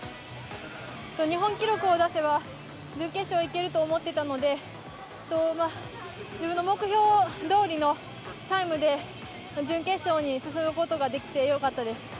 日本記録を出せば、準決勝いけると思ってたので、自分の目標どおりのタイムで準決勝に進むことができてよかったです。